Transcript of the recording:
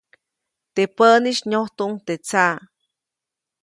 Teʼ päʼnis nyojtuʼuŋ teʼ tsaʼ.